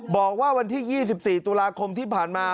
บอกว่าวันที่๒๔ตุลาคมที่ผ่านมา